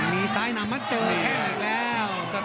มีซ้ายน้ำมาเจอแทบแล้ว